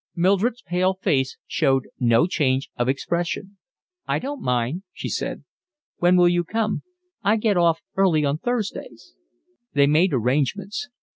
Mildred's pale face showed no change of expression. "I don't mind," she said. "When will you come?" "I get off early on Thursdays." They made arrangements.